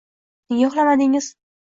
Nega uxlamadingiz?